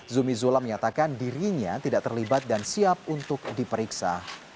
zumi zola menyatakan dirinya tidak terlibat dan siap untuk diperiksa